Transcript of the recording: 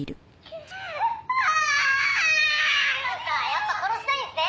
「やっぱ殺したいんすね？」